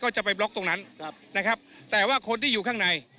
ก็จะไปบล็อกตรงนั้นนะครับแต่ว่าคนที่อยู่ข้างใน